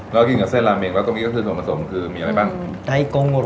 เรากินกับเส้นลาเม้งแล้วก็มีส่วนผสมคือมีอะไรบ้าง